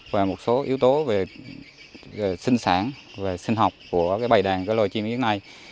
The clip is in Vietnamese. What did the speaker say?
và một số yếu tố về sinh sản sinh học của bầy đàn của loài chim yến này